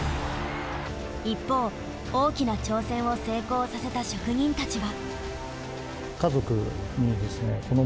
一方大きな挑戦を成功させた職人たちは。